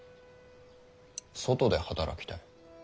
外で働きたい？